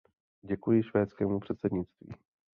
Děkuji švédskému předsednictví.